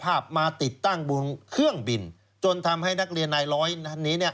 กลับมาติดตั้งบุญเครื่องบินจนทำให้นักเรียนไนร้อยนี้